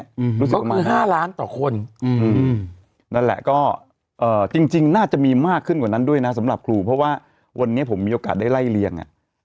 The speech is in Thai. รู้สึกว่า๕ล้านต่อคนอืมนั่นแหละก็เอ่อจริงจริงน่าจะมีมากขึ้นกว่านั้นด้วยนะสำหรับครูเพราะว่าวันนี้ผมมีโอกาสได้ไล่เลี้ยงอ่ะ